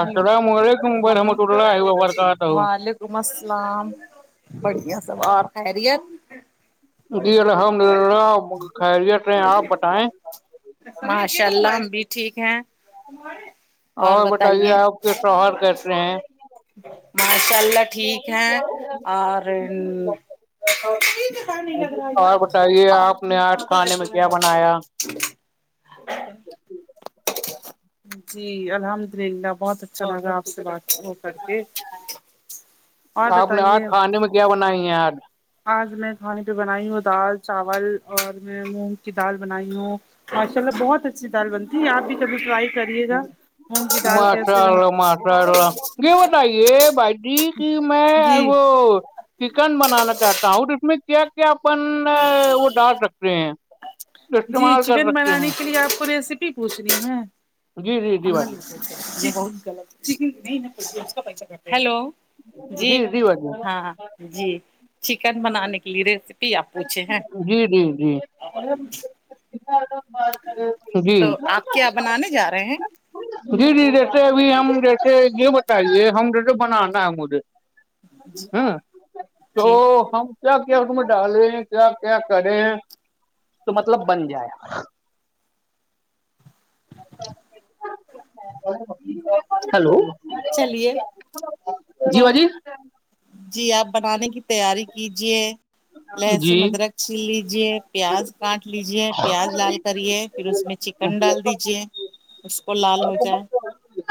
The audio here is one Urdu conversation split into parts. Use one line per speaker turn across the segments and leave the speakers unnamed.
ہیلو
اسرام ویک برے ہم توٹلہ آئی با بار کا آ تھا ہ
عم السلام بڑھیا س اور خری
جی الحمد للہ خیریت رہ آپ بتائیں
ماشاء اللہ ہم بھی ٹھیک ہیں
اور بتائیے آپ کے توہار کیسے ہیں
ماشاء اللہ ٹھیک ہے اور ہے نہیں لگ رہا
اور بتائیے
یار
آپ نے آج کھانے میں کیا بنایا
اچ جی الحمد للہ بہت اچھا لگا آپ سے بات کر کے اور
آپ نے
بتائیے
آج کھانے میں کیا بنائی ہیں ار
آج میں کھانے پہ بنائی ہوں دال چاول اور میں مونگ کی دال بنائی ہوں ماشاء اللہ بہت اچھی دال بنتی ہے آپ بھی کبھی فٹرائی کریے گا مونگ کی دال کیسے بن
مشلہا مشلہا گ ہوتئی ہے بائیٹی میں
جی
وہ چکن بنانا چاہتا ہوں اور اس میں کیا کیا اپن وہ ڈال سکتے ہیں
جی
استعمال کر
چکن
سکتے ہیں
بنانے کے لیے آپ کو ریسیپی پوچھ رہی ہے
جی جی جی بھائی
بہت کا ہیلو جی ہاں جی چکن بنانے کے لیے ریسیپی آپ پوچھے ہیں
جی جی جی جی
تو آپ کیا بنانے جا رہے ہیں
جی جی جیسے ابھی ہم جیسے یہ بتائیے ہم جیسے بنانا ہے مجھے ہاں تو
جی
ہم کیا کیا تمیں ڈالیں کیا کیا کریں تو مطلب بن جائے ہلو
چلیے تو
جی
جی آپ بنانے کی تیاری کیجیے
ہ
لہسن ادرک چل لیجے پیاز کاٹ لیجے پیاز لال کریے پھر اس میں چ کن ڈال دیجے اس کو لال ہو جائے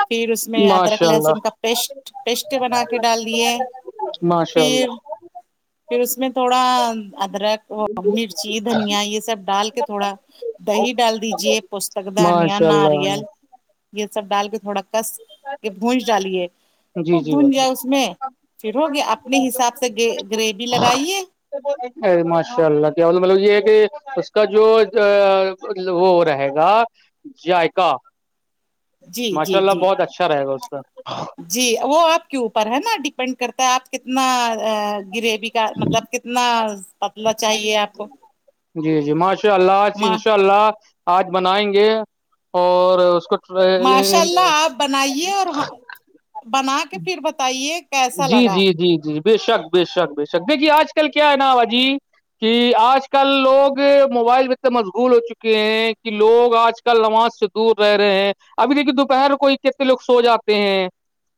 پھر اس میں ادرک
ماشاء
لہسن
اللہ
کا پیسٹ پیسٹ بنا کے ڈال دیے پھر
ہ
پھر اس میں تھوڑا ادرک مرچی دھنیا یہ سب ڈال کے تھوڑا دہی ڈال دیجے پستک دھانیا
ماشاء اللہ
ناریل یہ سب ڈال کے تھوڑا کس کے بھج ڈالیے
جی
خوب
جی
بھج
بھائی
جائے اس میں پھر ہوگے اپنے حساب سے گریوی لگائیے
ا ماشاء اللہ کیاول مطلب یہ ہے کہ اس کا جو وہ رہے گا جذائقا
جی
ماشاء
جی
اللہ
جی
بہت اچھا رہے گا اس کا
جی وہ آپ کے اوپر ہے نا ڈیپینڈ کرتا ہے آپ کتنا گری کا مطلب کتنا پتلا چاہیے آپ کو
جی جی ماشاء اللہج انشاء اللہ آج بنائیں گے اور اس کو
ماشاء اللہ آپ بنائیے اور بنا کے پھر بتائیے کیسا
جی
لگا
جی جی جی بے شک بے شک بے شک دیکھیے آج کل کیا ہے نا باجی کہ آج کل لوگ موبائل بھیتنے مشغول ہو چکے ہیں کہ لوگ آج ک نماز سے دور رہے ہیں ابھی دیکھیے دوپہر کوئی کتنے لوگ سو جاتے ہیں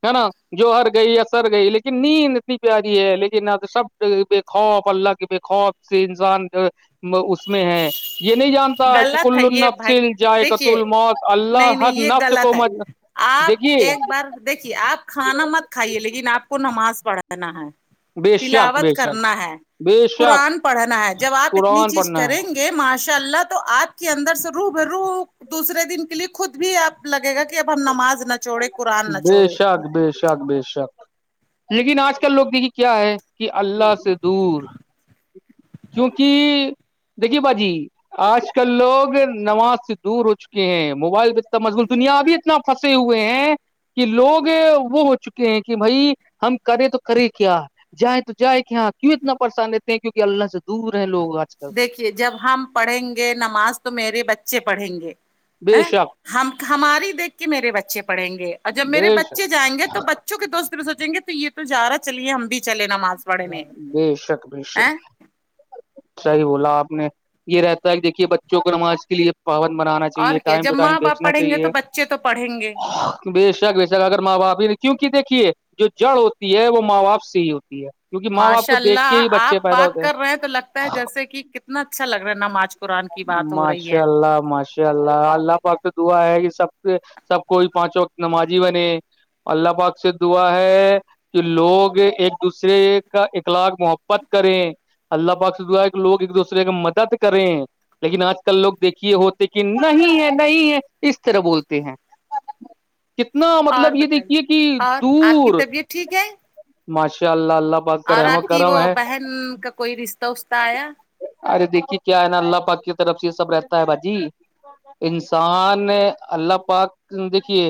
ہے نا جوہر گئی ہے گئی لیکن نیند اتنی پیاری ہے لیکن شبد بے خوف اللہ کے بے خوف سے انسان اس میں ہے یہ نہیں جانتا کہ
غلط
کل
ہے
ال
یہ بھائی
نفسل جائے قت ال
دیکھیے
موت اللہ
نہیں نہیں
ہر
یہ
نفس
غلط
کو
ہے آپ
دیکھیے
ایک بار دیکھیے آپ کھانا مت کھائیے لیکن آپ کو نماز پڑھانا ہے
بے شک بے
تلاوت
شک
کرنا ہے
بے شک
قرآن پڑھنا ہے جب آپ اتنی
قرآن
چیز
پڑھنا
کریں
ہے
گے کہ ماشاء اللہ تو آپ کے اندر سے رو ب رو دوسرے دن کے لیے خود بھی آب لگے گا کہ اب ہم نماز نہ چوڑے
بے شک بے شک بے شک لیکن آج کل لوگ دیکھیے کیا ہے کہ اللہ سے دور کیونکہ دیکھیے باجی آج کل لوگ نماز سے دور ہو چکے ہیں موبائل پہتنا مشغول دنیا ابھی ہے تنا پھنسے ہوئے ہیں کہ لوگ وہ ہو چکے ہیں کہ بھائی ہم کریں تو کرے کیا جائیں تو جائے کہ ہاں کیوں اتنا پریشان لیتے ہیں کیوںکہ اللہ سے دور ہیں لوگ آج کل
دیکھیے جب ہم پڑھیں گے نماز تو میرے بچے پڑھیں گے
بے شک
ہم ہماری دیکھ کے میرے بچے پڑھیں گے اور جب میرے
بے شک
بچے جائیں گے تو چونکہ دوست دن سوچیں گے تو یہ تو جا رہا چلیے ہم بھی چلے ن مااز
ب شک ب شک ا صحی بولا آپ نے یہ رہتا ہے کہ دیکھیے بچوں کو نماز کے لیے پاون بنانا
اور
چاہیے
کیا
ٹائم ٹو
جب
ٹائم
ماں باپ
بیچنا
پڑھیں گے تو
چاہیے
بچے تو پڑھیں گے
بے شک وشک اگر ماں باپ ہی نہیں کیونکہ دیکھیے جو جڑ ہوتی ہے وہ ماں باپ سے ہی ہوتی ہے کیونکہ ماں باپ
ماشاء
کو دیکھ کے
اللہ
ہی بچے
آپ
پیدا
بات
ہوتے
کر رہے ہیں تو لگتا ہے جیسے کہ کتنا اچھا لگ رہا نم آج
ماشاء اللہ ماشاءلہ اچا اللہ اللہ پقت دعا ہے کہ سب سب کوئی پانچ وقت نمازی بنے اللہ پاک سے دعا ہے کہ لوگ ایک دوسرے کا اخلاق محبت کریں اللہ پاک سا کہ لوگ ایک دوسرے کی مدد کریں لیکن آج کل لوگ دیکھیے ہوتے کہ نہیں ہے نہیں ہے اس طرح بولتے ہیں کتنا مطلب
اور
یہ
بتائیے
دیکھیے کہ
اور آپ کی
دور
طبیعت ٹھیک ہے
ماشاء اللہ اللہ پاک کا
اور
رحم و
آپ کی
کرم
وہ
ہے
بہن کا کوئی رشتہ وشہ آیا
ارے دیکھیے کیا ہے نا اللہ پاک کی طرف سے یہ سب رہتا ہے بھاجی انسان اللہ پاک دیکھیے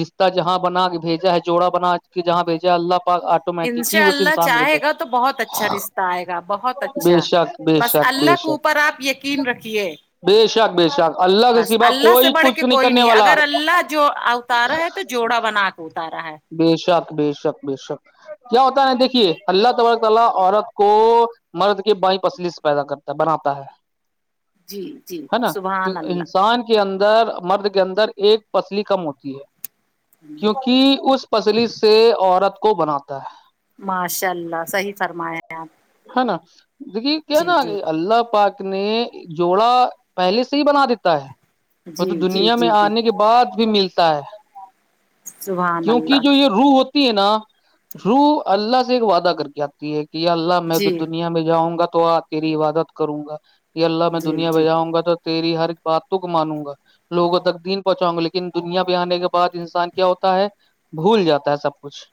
رشتہ جہاں بنا کے بھیجا ہے جوڑا بنا کے جہاں بھیجا ہے اللہ پاک آٹومیٹک ہی
انشاء
اس
اللہ
انسان کو
چاہے
بھیجا
گا
ہے۔
تو بہت اچھا رشتہ آئے گا بہت
بے
اچھا
شک بے
بس
شک بے
اللہ کے
شک
اوپر آپ یقین رکھیے
بے شک بے شک اللہ کے
بس
سوا
اللہ سے
کوئی
بڑھ
کچھ
کے کوئی
کرنے
نہیں
والا
اگر اللہ جو اتارا ہے تو جوڑا بنا کے اتارا ہے
بے شک بے شک بے شک کیا ہوتا ہےا دیکھیے اللہ تبارک تعالی عورت کو مرد کے بائیں پسلس پیدا کرتا بناتا ہے
جی جی
ہے نا جو
سبحان اللہ
انسان کے کے اندر مرد کے اندر ایک پسلی کم ہوتی ہے کیونکہ اس پسلی سے عورت کو بناتا ہے
ماشاء اللہ صحیح فرمایا آپ
ہے نا دیکھے کیا ہیں
جی
نا کہ
جی
اللہ پاک نے جوڑا پہلے سے ہی بنا دیتا ہے تو
جی جی
دنیا میں
جی جی
آنے کے بعد بہت بھی ملتا ہے
صح [inaudible]
کیونکہ جو یہ روح ہوتی ہے نا روح اللہ سے ایک وعدہ کر کے آتی ہے کہ اللہ میں
جی
دنیا میں جاؤں گا تو آ تری عبادت کروں گا یہ اللہ میں
جی
دنیا
جی
بجاؤں گا تو تیری ہر باتوں کو مانوں گا لوگوں تک دین پہنچاں گا لیکن دنیا پے آنے کے بعد انسان کیا ہوتا ہے بھول جاتا ہے سب کچھ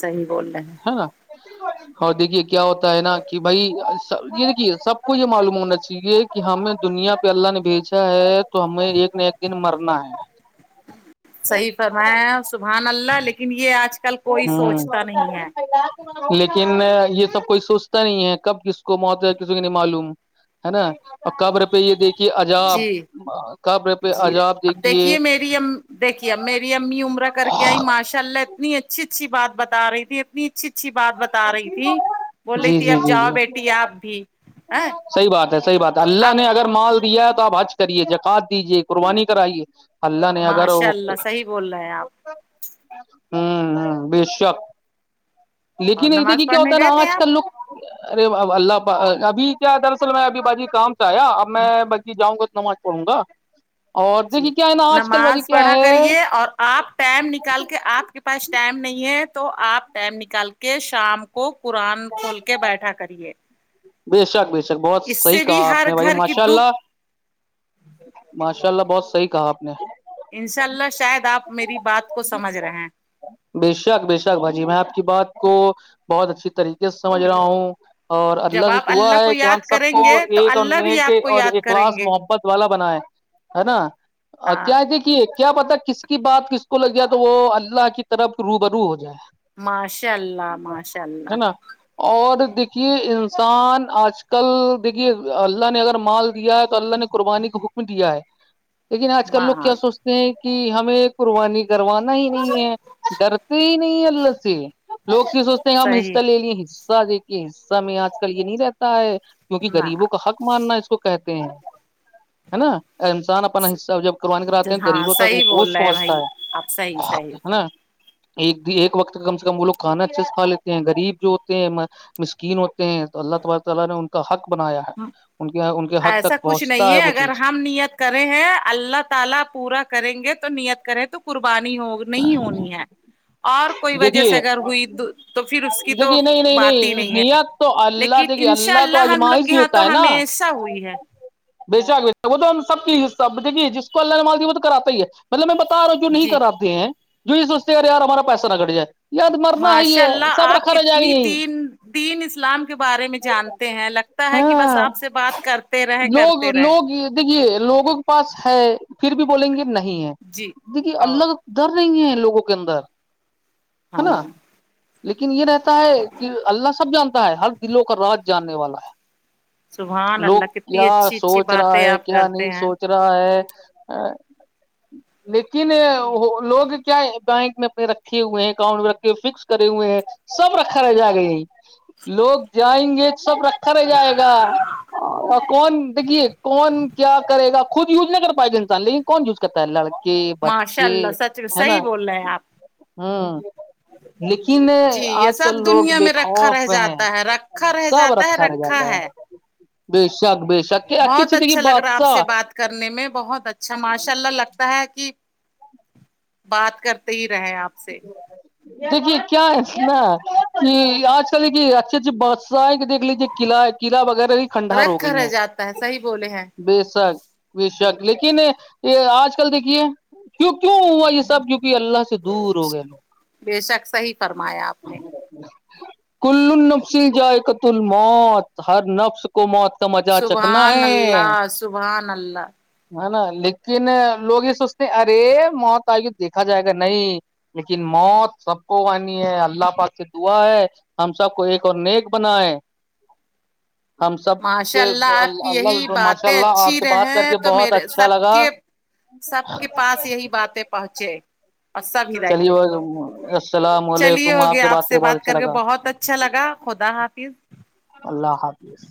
صحیح بول رہے ہیں
ہے نا [unintelligible] اور دیکھیے کیا ہوتا ہے نا کہ بھائ ایسا یہ دیکھیے سب کو یہ معلوم ہونا چاہیے کہ ہمیں دنیا پہ اللہ نے بھیجا ہے تو ہمیں ایک نہ ایک دن مرنا ہے
صحیح فرمایا ہیں سبحان اللہ لیکن یہ آج کے
[inaudible] لیکن یہ سب کوئی سوچتا نہیں ہے کب کس کو موت کسی کے نہیں معلوم ہے نا اور قبر پہ یہ دیکھیے عجاب
جی
قبر پہ
جی
عجاب
اب دیکھیے میری ا دیکھیے اب میری امی عمرہ کر کے آئی ماشاءاللہ اتنی اچھی اچھی بتا رہی تھی اتنی اچھی اچھی ب آ رہی تھی بول رہی تھی اب جاؤ بیٹی آپ بھی ا
صحی بات ہے صحی بات ہے
تو
اللہ
اب
نے اگر مال دیا ہے تو آپ حج کریے زاکات دیجیے قربانی کرائیے اللہ نے اگرگر
ماشاء
ہوں
اللہ صحیح بول رہے ہیں آپ
ہ بے شک
اور
لیکن ایسے کہ
نماز
کیا
پڑھنے
ہوتا نا
گئے تھے
آج
آپ
کل لوگ ارے اللہ ابھی کیا دراصل میں ابھی باجی کام اب میں بلکی جاؤں گا تو نماز پڑھوں گا اور
جی
دیکھیے کیا ہے نا آج کل باجی
نماز
کیا
پڑھا
ہے
کریے اور آپ ٹائم نکال کے آپ کے پاس ٹائم نہیں ہے تو آپ ٹم نکال کے شام کو قرآن کھول کے بیٹھا کریے
بے شک بے شک بہت
اس
صحی
سے بھی
کہا آپ
ہر
نے بھائی
گھر کی
ماشاء
دکھ
اللہ ماشاء اللہ بہت صحیح کہا آپ نے
انشاء اللہ شاید آپ میری بات کو سمجھ رہے ہیں
بے شک بے شک باجی میں آپ کی بات کو بہت اچھی طریق سمجھ رہا ہوں اور
جب
اللہ سے
آپ
دعا
کو
ہے کہ ہم
یاد
سب
کریں
کو
گے تو
ایک اور
اللہ بھی
ن
آپ کو
اور
یاد
ایک
کریں
کلاس
گے
محبت پت والا بنا ہے ہے نا
ہاں
کیا ہے دیکھیے کیا پتا کس کی بات کس کو لگ جائے تو وہ اللہ کی طرف روبرو ہو جائے
ماشاء اللہ ماشاء اللہ
ہے نا اور دیکھیے انسان آج کل دیکھیے اللہ نے اگر مال دیا ہے تو اللہ نے قربانی کو حکم دیا ہے لیکن آج کل لوگ
ماں
کیا سوچتے ہیں کہ ہمیں قربانی کروانا ہی نہیں ہے ڈرتے ہی نہیں اللہ سے لوگ سے سوچتے ہیں ہم
صحیح
حصہ لے لیے دیک کے حصہ میں آج کل یہ نہیں رہتا ہے کیونکہ
نہ
غریبوں کا حق ماننا اس کو کہتے ہیں ہے نا انسان اپنا حصہ جب کروانے کراتتے ہیں
ہاں
غریبوں کا
صحیح
گوشت
بول رہے ہیں
پہنچتا
بھائی آپ صحیح
ہے
صحیح
ہے
صحیح
نا ایک ایک وقت کم سے کم وہ لوگ کھانا اچھے سے کھا لیتے ہیں غریب جو ہوتے ہیں مسکین ہوتے ہیں تو اللہ تعبیرات تالا نے ان کا حق بنایا ہے ان کے حد
ایسا
تک
کچھ نہیں
پہنچتا
ہے
وہ
اگر
چیز
ہم نیت کریں ہیں اللہ تعالی پورا کریں گے تو نیت کریں تو قربانی ہوگی نہیں ہونی ہے اور کوئی وجہ سے
دیکھیے
اگر ہوئی تو پھر اس کی تو
دیکھیے نہیں نہیں
بات ہی نہیں ہے
نیت تو اللہ
لیکن
دیکھیے
انشاء
تو
اللہ ہم لوگ کے یہاں تو ہمیشہ ہوئی ہے
بےچک وہ تو ہم سب کی دیکھیے جس کو اللہ نے مالتی وہ تو کراتا ہی ہے مطلب میں بتا رہا ہوں جو نہیں
جی
کراتے ہیں جو یہ سوچتے اےیار ہمارا پیسہ نہ گٹ جائے یار مرنا ہے
ماشاء
یہ
اللہ
سب
آپ
رکھا رہ جائے
کتنی
گا یہیں
دین دین اسلام کے بارے میں جانتے ہیں ل تا ہے کہ بس
ہاں
آپ سے بات کرتے رہ
لوگ
کرتے رہے
لوگ دیکھیے لوگوں کے پاس ہے پھر بھی بولیں گے نہیں ہے
جی
دیکھیے
اور
الگ ڈر رہی ہیں لوگوں کے اندر ہے
ہاں
نا لیکن یہ رہتا ہے کہ اللہ سب جانتا ہے ہر دلوں کا راج جاننے والا ہے
سبحان
لوگ
اللہ کتنی
کیا
اچھی اچھی
سوچ رہا
باتیں
ہے
آپ
کیا
کرتے
نہیں
ہیں
سوچ رہا ہے لیکن وہ لوگ کیا بینک میں اپنے رکھے ہوئے ہیں اکاؤنٹ میں رکھے ہوئے فکس کرے ہوئے ہیں سب رکھا رہ جائے گا یہیں لوگ جائیں گے تو سب رکھا رہ جائے گا کون دیکھیے کون کیا کرے گا خود یوز نہیں کر پائے گا انسان لیکن کون یوز کرتا ہے لڑک کہ بچے
صح بول رہے ہیں آپ
ہاں لیکن
جی یہ
آج کل
سب
لوگ
دنیا
بے
میں رکھا
خوف
رہ
ہیں
جاتا ہے رکھا رہ
سب
جاتا ہے
رکھا رہ جاتا ہے بے شک بے شک کہ اچھی
بہت
اچھی تھی کہ
اچھا لگ رہا آپ
بادشاہ
سے بات کرنے میں بہت اچھا ماشاء اللہ لگتا ہے کہ بات کرتے ہی رہے آپ سے
دیکھیے کیا ہے ن کہ آج کل دیکھیے اچھیے اچھے بادشاہیں کہ دیکھ لیجیے قلع قعہ وغیرہ بھی کھنڈار ہو
رکھا
گئی
رہ
ہیں
جاتا ہے صحیح بولے ہیں
بےسک بے شک لیکن یہ آج کل دیکھیے کیوں کیوں ہوا یہ سب جوک اللہ سے دور ہو گئے لوگ
بے شک صحی فرمایا آپ نے
کل نفسل جائے قت ال موات ہر نفس کو موت کا مزا چکنا
سبحان
ہے
اللہ سبحان اللہ
ہے نا لیکن لوگ یہ سوچتے ہیں ارے موت آئی دیکھا جائے گا نہیں لیکن موت سب کو وانی ہے اللہ پاک سے دعا ہے ہم سب کو ایک اور نیک بناائے ہم سب
ماشاء
سے
اللہ آپ کی یہی
اللہ ماشاء
باتیں
اللہ آپ
اچھی
سے بات کر
رہیں
کے
تو
بہت
میرے
اچھا
سب
لگا
کے سب کے پاس یہی باتیں پہنچے اور سب ہدات
چلیے
د چلیے ہوگیا آپ سے بات کر کے بہت اچھا اچھا لگا خدا حافظ
اللہ حافظ